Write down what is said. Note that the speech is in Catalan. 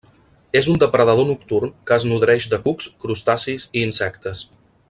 És un depredador nocturn que es nodreix de cucs, crustacis i insectes.